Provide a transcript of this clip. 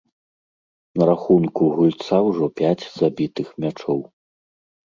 На рахунку гульца ўжо пяць забітых мячоў.